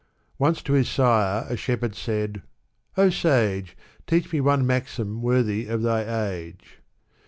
309 Once to bis sire a shepherd said, '^ O Sage ! Teach me one maxim worthy of thy age."